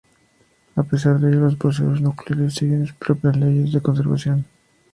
A pesar de ello, los procesos nucleares siguen sus propias leyes de conservación.